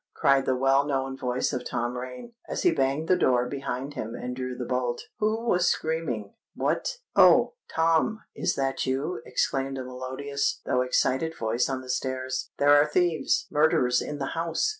cried the well known voice of Tom Rain, as he banged the door behind him and drew the bolt. "Who was screaming? What——" "Oh! Tom—is that you?" exclaimed a melodious, though excited voice on the stairs; "there are thieves—murderers in the house!"